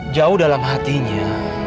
jauh dalam hatinya